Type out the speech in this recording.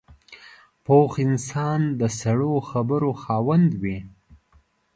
پوخ انسان د سړو خبرو خاوند وي